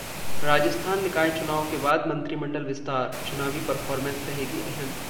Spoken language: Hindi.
राजस्थान निकाय चुनाव के बाद मंत्रिमंडल विस्तार, चुनावी परफॉर्मेंस रहेगी अहम